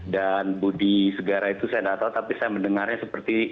dan budi segara itu saya tidak tahu tapi saya mendengarnya seperti